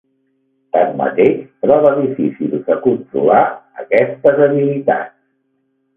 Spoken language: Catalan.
Tanmateix, troba difícils de controlar aquestes habilitats.